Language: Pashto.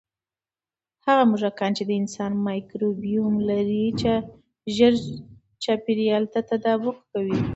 هغه موږکان چې د انسان مایکروبیوم لري، ژر چاپېریال ته تطابق کوي.